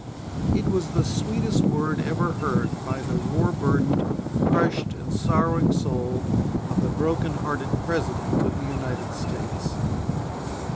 It was the "sweetest word ever heard" by the war burdened, crushed and sorrowing soul of the broken hearted President of the United States.